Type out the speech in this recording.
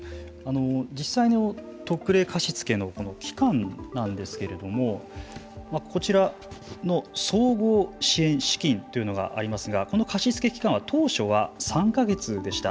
実際の特例貸付の期間なんですけれどもこちらの総合支援資金というのがありますがこの貸付期間は当初は３か月でした。